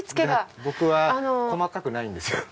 僕は細かくないんですよ。